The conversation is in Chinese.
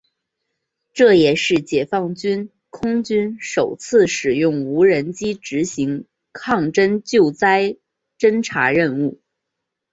这也是解放军空军首次使用无人机执行抗震救灾侦察任务。